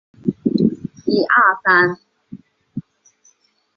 猫头刺为豆科棘豆属下的一个种。